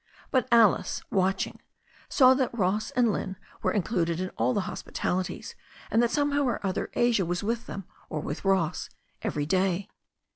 But Alice, watching, saw that Ross and Lynne were in cluded in all the hospitalities, and that somehow of other Asia was with them or with Ross every day.